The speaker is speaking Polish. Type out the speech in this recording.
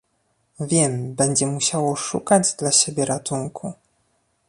"Wiem będzie musiało szukać dla siebie ratunku."